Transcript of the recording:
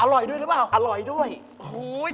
อร่อยด้วยหรือเปล่าอร่อยด้วยโอ้โห